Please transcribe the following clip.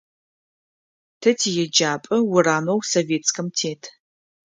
Тэ тиеджапӏэ урамэу Советскэм тет.